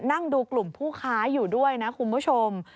นั่งดูกลุ่มผู้ค้าอยู่ด้วยนะคุณผู้ชม